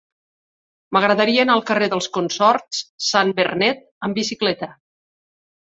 M'agradaria anar al carrer dels Consorts Sans Bernet amb bicicleta.